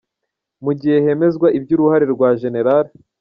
Mu gihe hemezwaga iby’uruhare rwa Gen.